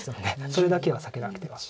それだけは避けなくては。